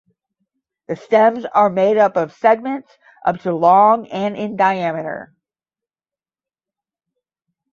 The stems are made up of segments up to long and in diameter.